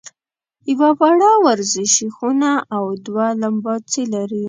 یوه وړه ورزشي خونه او دوه لمباځي لري.